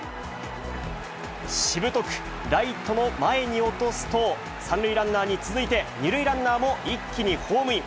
しぶとく、ライトの前に落とすと、３塁ランナーに続いて２塁ランナーも一気にホームイン。